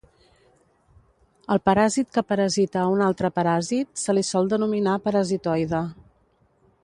Al paràsit que parasita a un altre paràsit se li sol denominar parasitoide.